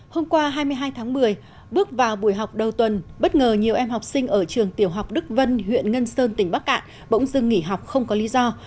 hôm qua hai mươi hai tháng một mươi bước vào buổi học đầu tuần bất ngờ nhiều em học sinh ở trường tiểu học đức vân huyện ngân sơn tỉnh bắc cạn bỗng dừng nghỉ học không có lý do